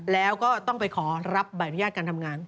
แล้วก็ต้องไปขอรับใบอนุญาตการทำงาน